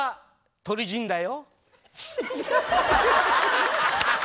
鳥人だよ！